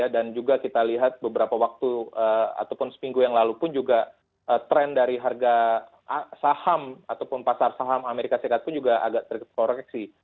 dan juga kita lihat beberapa waktu ataupun seminggu yang lalu pun juga trend dari harga saham ataupun pasar saham amerika serikat pun juga agak terkoreksi